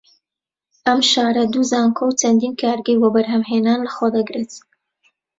ئەم شارە دوو زانکۆ و چەندین کارگەی وەبەرهەم هێنان لە خۆ دەگرێت